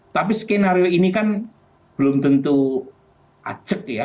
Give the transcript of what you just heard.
tapi skenario ini kan belum tentu aceh ya